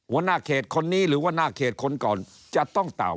หัวหน้าเขตคนนี้หรือว่าหน้าเขตคนก่อนจะต้องเต่า